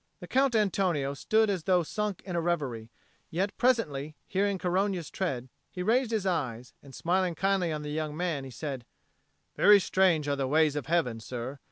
The Count Antonio stood as though sunk in a reverie; yet, presently, hearing Corogna's tread, he raised his eyes, and smiling kindly on the young man, he said, "Very strange are the ways of Heaven, sir.